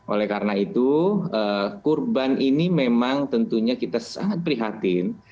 oleh karena itu kurban ini memang tentunya kita sangat prihatin